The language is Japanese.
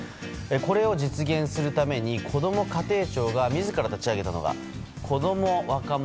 これを実現するためにこども家庭庁が自ら立ち上げたのはこども若者